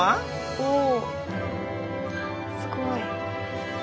おすごい。